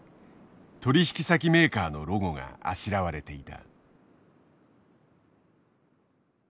取引先メーカーのロゴがあしらわれていた。